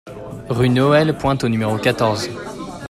Rue Noël Pointe au numéro quatorze